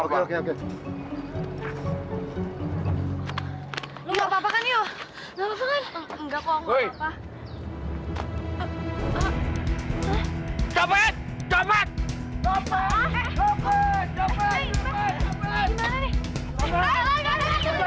pak bukan saya yang ambil bapak jadi pas itu di jebak pak